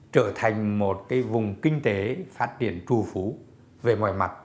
trở thành một vùng kinh tế phát triển trù phú về mọi mặt